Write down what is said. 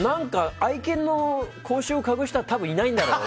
愛犬の口臭をかぐ人は多分いないのかな。